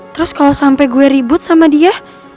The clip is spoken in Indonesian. terus kalau sampai gue ribut sama dia